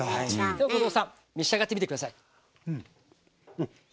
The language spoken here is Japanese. では後藤さん召し上がってみて下さい。